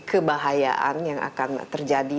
kebahayaan yang akan terjadi